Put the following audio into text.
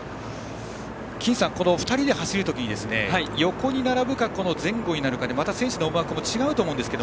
金さん２人で走る時に横に並ぶか前後になるかで選手の思惑も違うと思うんですけど。